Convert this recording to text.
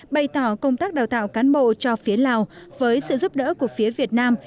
bày tỏ công tác đào tạo cán bộ cho phía lào với sự giúp đỡ của phía việt nam